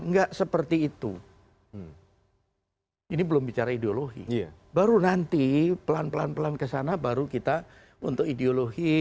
enggak seperti itu ini belum bicara ideologi baru nanti pelan pelan pelan kesana baru kita untuk ideologi